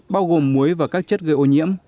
bao gồm muối và các chất gây ô nhiễm